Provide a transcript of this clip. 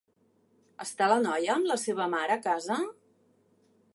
Està la noia amb la seva mare a casa?